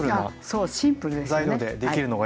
そうシンプルですよね。